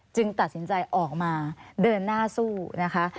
ตัดสินใจออกมาเดินหน้าสู้นะคะ